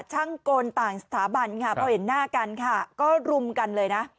ช่างกลต่างสถาบันค่ะพอเห็นหน้ากันค่ะก็รุมกันเลยนะ